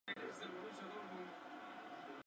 En el centro del campo azul hay un círculo blanco.